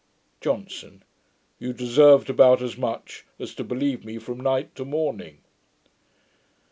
JOHNSON. 'You deserved about as much, as to believe me from night to morning.'